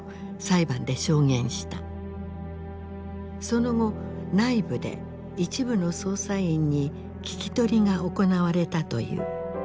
その後内部で一部の捜査員に聞き取りが行われたという。